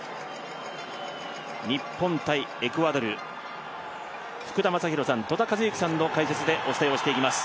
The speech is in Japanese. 日本×エクアドル福田正博さん、戸田和幸さんの解説でお伝えをしていきます。